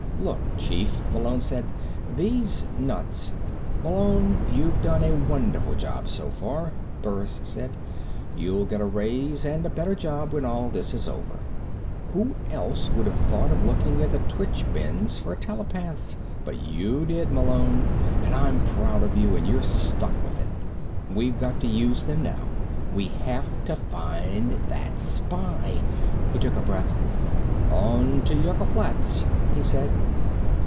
"Look, chief," Malone said. "These nuts " "Malone, you've done a wonderful job so far," Burris said. "You'll get a raise and a better job when all this is over. Who else would have thought of looking in the twitch bins for telepaths? But you did, Malone, and I'm proud of you, and you're stuck with it. We've got to use them now. We have to find that spy!" He took a breath. "On to Yucca Flats!" he said.